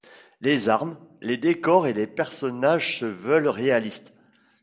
Les armes, les décors et les personnages se veulent réalistes.